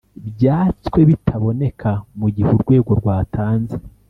byatswe bitaboneka mu gihe urwego rwatanze